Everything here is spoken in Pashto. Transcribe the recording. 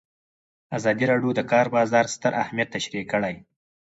ازادي راډیو د د کار بازار ستر اهميت تشریح کړی.